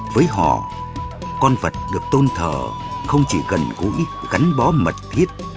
với họ con vật được tôn thờ không chỉ gần gũi gắn bó mật thiết